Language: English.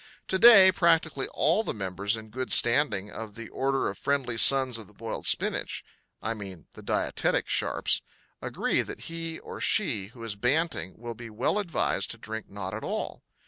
To day practically all the members in good standing of the Order of Friendly Sons of the Boiled Spinach I mean the dietetic sharps agree that he or she who is banting will be well advised to drink not at all.